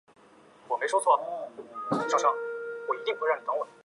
那么我们就可藉此推测欲观测物体相对于我们的惯性系的速度是多少。